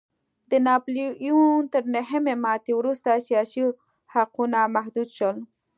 د ناپلیون تر نهايي ماتې وروسته سیاسي حقونه محدود شول.